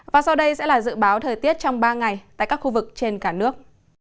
và sau đây sẽ là dự báo thời tiết trong ba ngày tại các khu vực trên cả nước